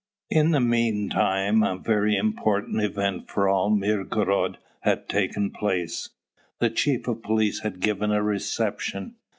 In the meantime a very important event for all Mirgorod had taken place. The chief of police had given a reception.